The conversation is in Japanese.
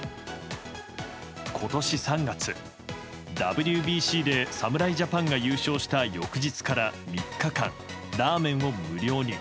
今年３月、ＷＢＣで侍ジャパンが優勝した翌日から３日間、ラーメンを無料に。